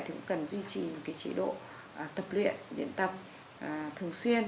thì cũng cần duy trì một cái chế độ tập luyện điện tập thường xuyên